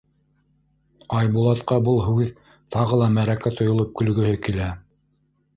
Айбулатҡа был һүҙ тағы ла мәрәкә тойолоп көлгөһө килә.